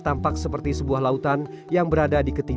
namun saya zichailah seh automatis terlintas